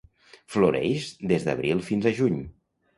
Floreix des d'abril fins a juny.